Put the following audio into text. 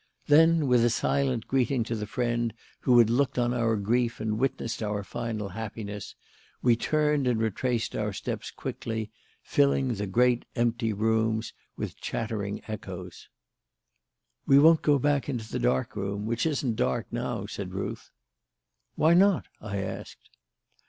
Then, with a silent greeting to the friend who had looked on our grief and witnessed our final happiness, we turned and retraced our steps quickly, filling the great, empty rooms with chattering echoes. "We won't go back into the dark room which isn't dark now," said Ruth. "Why not?" I asked.